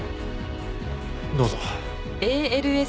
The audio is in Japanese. どうぞ。